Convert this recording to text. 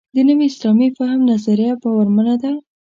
د نوي اسلامي فهم نظریه باورمنه ده.